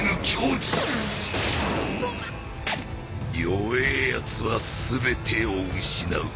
弱えやつは全てを失う。